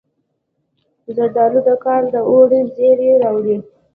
زردالو د کال د اوړي زیری راوړي.